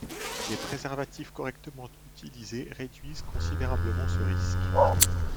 Des préservatifs correctement utilisés réduisent considérablement ce risque.